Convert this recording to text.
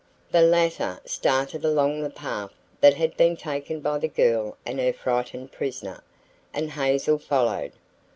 The latter started along the path that had been taken by the girl and her frightened prisoner, and Hazel followed.